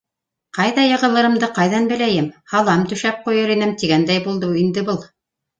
Ҡайҙа йығылырымды ҡайҙан беләйем, һалам түшәп ҡуйыр инем тигәндәй булды инде был.